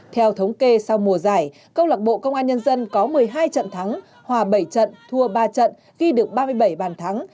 theo thống kê sau mùa giải câu lạc bộ công an nhân dân có một mươi hai trận thắng hòa bảy trận thua ba trận ghi được ba mươi bảy bàn thắng